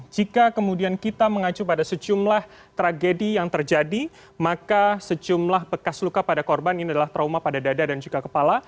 jika kemudian kita mengacu pada sejumlah tragedi yang terjadi maka sejumlah bekas luka pada korban ini adalah trauma pada dada dan juga kepala